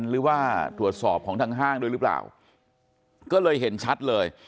หรือว่าตรวจสอบของทางห้างด้วยหรือเปล่าก็เลยเห็นชัดเลย